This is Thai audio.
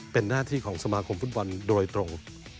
เป็นหน้าที่ของสมาคมฟุตบอลโดยตรง